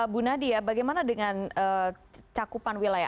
bu nadia bagaimana dengan cakupan wilayah